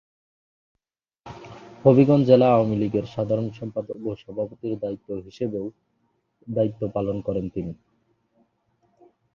হবিগঞ্জ জেলা আওয়ামীলীগের সাধারণ সম্পাদক ও সভাপতির দায়িত্ব হিসেবেও দায়িত্ব পালন করেন তিনি।